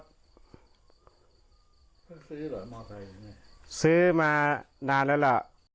เพิ่งซื้อเหรอมอไซค์ซื้อมานานแล้วล่ะ